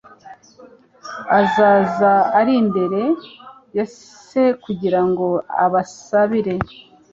Azaba ari imbere, ya Se kugira ngo abasabire.